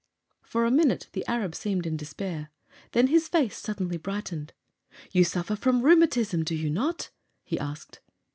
For a minute the Arab seemed in despair. Then his face suddenly brightened. "You suffer from rheumatism, do you not?" he asked.